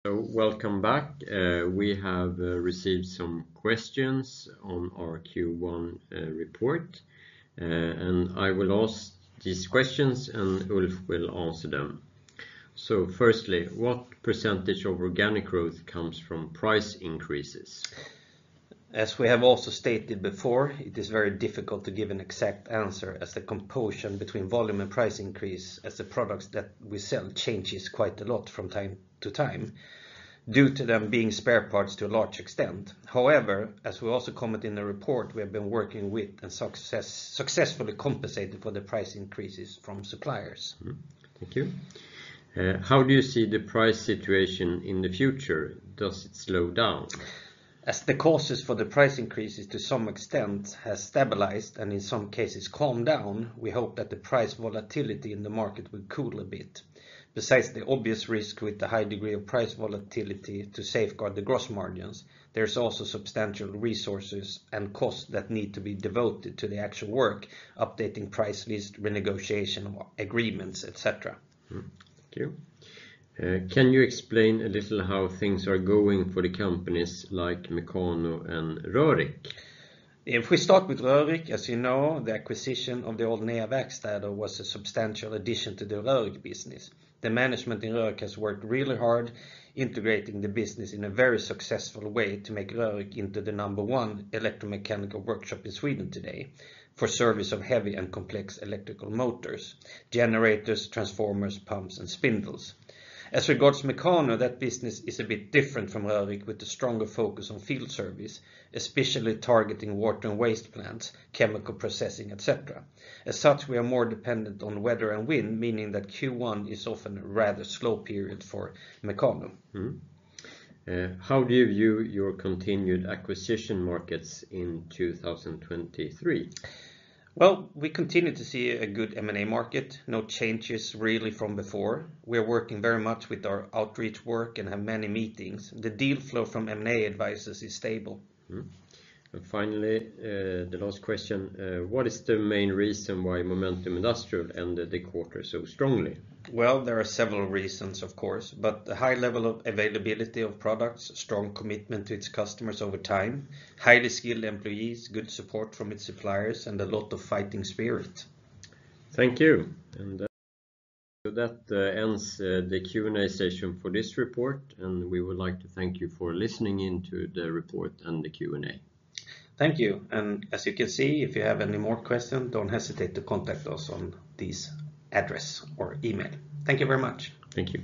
Welcome back. We have received some questions on our Q1 report, I will ask these questions, Ulf will answer them. Firstly, what % of organic growth comes from price increases? As we have also stated before, it is very difficult to give an exact answer as the composition between volume and price increase as the products that we sell changes quite a lot from time to time, due to them being spare parts to a large extent. However, as we also comment in the report, we have been working with and successfully compensated for the price increases from suppliers. Thank you. How do you see the price situation in the future? Does it slow down? As the causes for the price increases to some extent has stabilized and in some cases calmed down, we hope that the price volatility in the market will cool a bit. Besides the obvious risk with the high degree of price volatility to safeguard the gross margins, there's also substantial resources and costs that need to be devoted to the actual work, updating price list, renegotiation agreements, et cetera. Thank you. Can you explain a little how things are going for the companies like Mekano and Rörick? If we start with Rörick, as you know, the acquisition of the old NEA Verkstäder was a substantial addition to the Rörick business. The management in Rörick has worked really hard integrating the business in a very successful way to make Rörick into the number one electromechanical workshop in Sweden today, for service of heavy and complex electrical motors, generators, transformers, pumps, and spindles. As regards Mekano, that business is a bit different from Rörick, with a stronger focus on field service, especially targeting water and waste plants, chemical processing, et cetera. As such, we are more dependent on weather and wind, meaning that Q1 is often a rather slow period for Mekano. How do you view your continued acquisition markets in 2023? Well, we continue to see a good M&A market. No changes really from before. We are working very much with our outreach work and have many meetings. The deal flow from M&A advisors is stable. Finally, the last question. What is the main reason why Momentum Industrial ended the quarter so strongly? Well, there are several reasons, of course, the high level of availability of products, strong commitment to its customers over time, highly skilled employees, good support from its suppliers, and a lot of fighting spirit. Thank you. That ends the Q&A session for this report, we would like to thank you for listening in to the report and the Q&A. Thank you. As you can see, if you have any more questions, don't hesitate to contact us on this address or email. Thank you very much. Thank you.